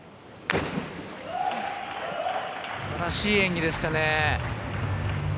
素晴らしい演技でしたね。